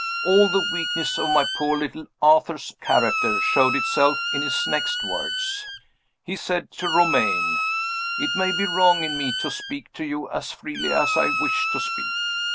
All the weakness of my poor little Arthur's character showed itself in his next words. He said to Romayne: "It may be wrong in me to speak to you as freely as I wish to speak.